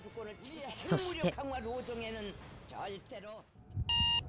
そして。